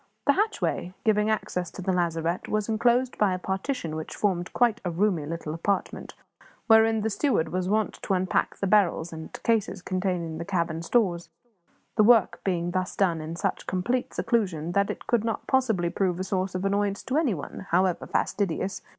The hatchway giving access to the lazarette was enclosed by a partition which formed quite a roomy little apartment, wherein the steward was wont to unpack the barrels and cases containing the cabin stores; the work being thus done in such complete seclusion that it could not possibly prove a source of annoyance to any one, however fastidious.